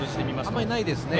あんまりないですね。